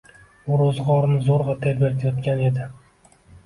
U roʻzgʻorni zoʻrgʻa tebratayotgan edi.